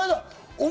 お前。